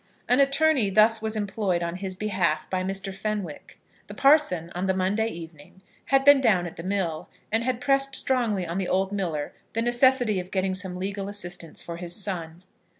An attorney thus was employed on his behalf by Mr. Fenwick. The parson on the Monday evening had been down at the mill, and had pressed strongly on the old miller the necessity of getting some legal assistance for his son.